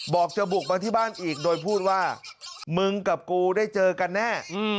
บอกจะบุกมาที่บ้านอีกโดยพูดว่ามึงกับกูได้เจอกันแน่